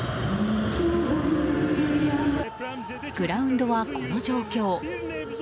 グラウンドは、この状況。